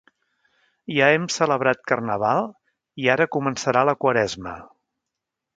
Ja hem celebrat Carnaval i ara començarà la Quaresma.